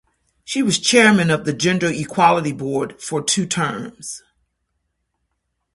She was chairman of the gender equality board for two terms.